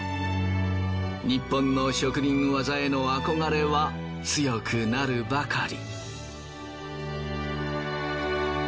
ニッポンの職人技への憧れは強くなるばかり。